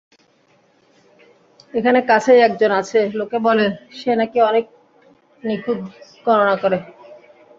এখানে কাছেই একজন আছে, লোকে বলে সে নাকি অনেক নিখুঁত গণনা করে।